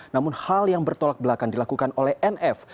namun hal yang bertolak belakang dilakukan oleh nf